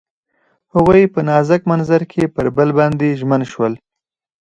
هغوی په نازک منظر کې پر بل باندې ژمن شول.